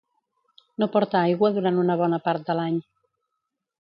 No porta aigua durant una bona part de l'any.